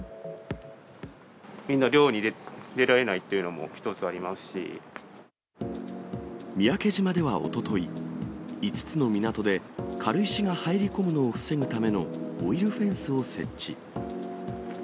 みんな漁に出られないという三宅島ではおととい、５つの港で軽石が入り込むのを防ぐためのオイルフェンスを設置。